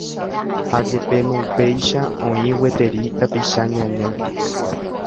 Ha jepémo upéicha oĩ gueteri tapicha ñaña